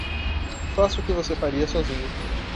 Faça o que você faria sozinho.